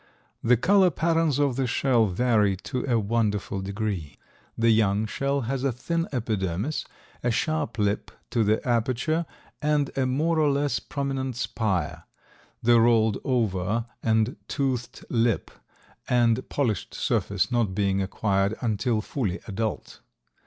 The color patterns of the shell vary to a wonderful degree. The young shell has a thin epidermis, a sharp lip to the aperture and a more or less prominent spire, the rolled over and toothed lip and polished surface not being acquired until fully adult.